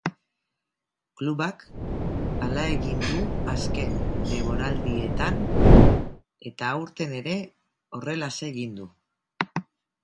Klubak hala egin du azken denboraldietan eta aurten ere horrelaxe egin du.